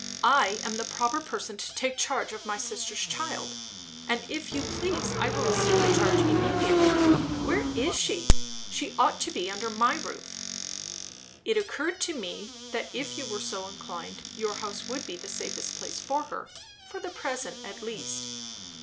"I am the proper person to take charge of my sister's child, and if you please I will assume the charge immediately. Where is she? She ought to be under my roof." "It occurred to me, that if you were so inclined, your house would be the safest place for her; for the present at least."